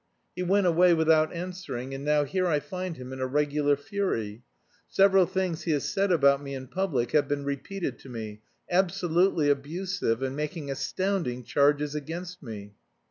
He went away without answering, and now here I find him in a regular fury. Several things he has said about me in public have been repeated to me, absolutely abusive, and making astounding charges against me.